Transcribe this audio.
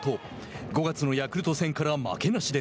５月のヤクルト戦から負けなしで